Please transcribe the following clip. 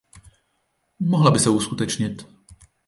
Mohla by se uskutečnit.